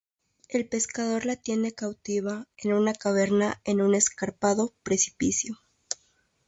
El pescador la tiene cautiva en una caverna en un escarpado precipicio.